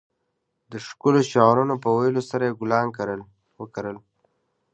د ښکلو شعرونو په ويلو سره يې ګلان وکرل.